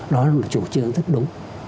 đó là một chủ trương rất đúng